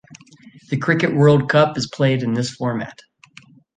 The Cricket World Cup is played in this format.